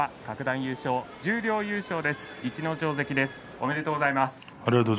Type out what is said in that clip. ありがとうございます。